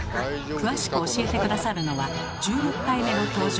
詳しく教えて下さるのは１６回目の登場。